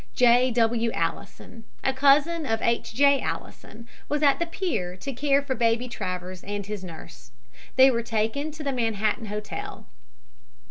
J. W. Allison, a cousin of H. J. Allison, was at the pier to care for Baby Travers and his nurse. They were taken to the Manhattan Hotel.